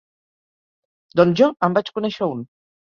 Doncs jo en vaig conèixer un.